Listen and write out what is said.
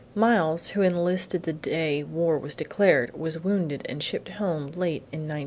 Miles, who enlisted the day war was declared, was wounded and shipped home late in 1917.